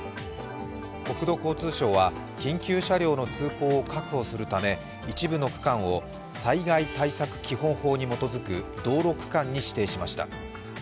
国土交通省は緊急車両の通行を確保するため一部の区間を災害対策基本法に基づく道路区間に指定しました。